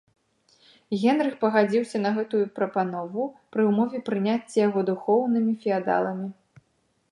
Генрых пагадзіўся на гэту прапанову, пры ўмове прыняцця яго духоўнымі феадаламі.